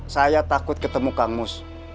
saya takut ketemu kangmus